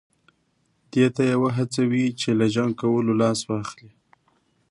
دې ته یې وهڅوي چې له جنګ کولو لاس واخلي.